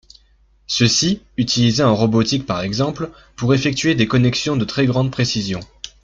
Ceci utilisé en robotique par exemple pour effectuer des connexions de très grande précision.